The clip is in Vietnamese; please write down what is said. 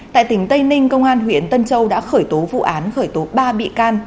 tại tỉnh tây ninh công an huyện tân châu đã khởi tố vụ án khởi tố ba bị can